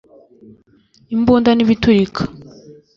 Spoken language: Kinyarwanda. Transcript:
imbunda n’ibiturika